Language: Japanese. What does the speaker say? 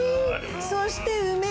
そして梅！